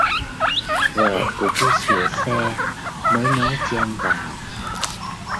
Vợ của chú sửa xe mới nói chen vào